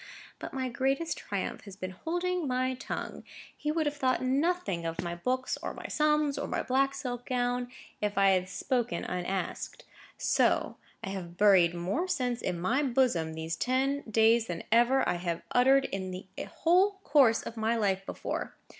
But my greatest triumph has been holding my tongue. He would have thought nothing of my books, or my sums, or my black silk gown, if I had spoken unasked. So I have buried more sense in my bosom these ten days than ever I have uttered in the whole course of my life before.